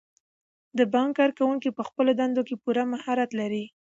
د بانک کارکوونکي په خپلو دندو کې پوره مهارت لري.